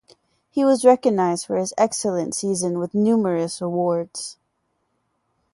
He was recognised for his excellent season with numerous awards.